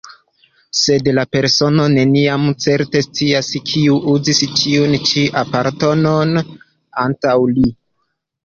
Sed la persono neniam certe scias, kiu uzis tiun ĉi aparaton antaŭ li.